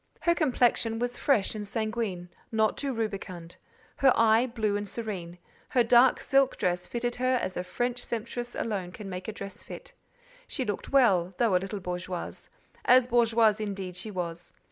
Her complexion was fresh and sanguine, not too rubicund; her eye, blue and serene; her dark silk dress fitted her as a French sempstress alone can make a dress fit; she looked well, though a little bourgeoise; as bourgeoise, indeed, she was.